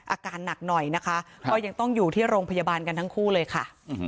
อาการหนักหน่อยนะคะก็ยังต้องอยู่ที่โรงพยาบาลกันทั้งคู่เลยค่ะ